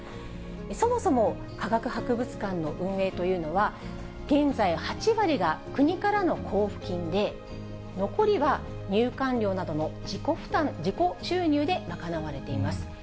そもそも科学博物館の運営というのは、現在、８割が国からの交付金で、残りは入館料などの自己負担、自己収入で賄われています。